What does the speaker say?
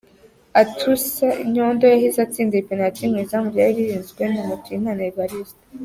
Atusai Nyondo yahise atsinda iyi penaliti mu izamu ryari ririnzwe na Mutuyimana Evariste.